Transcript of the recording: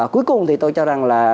cuối cùng thì tôi cho rằng là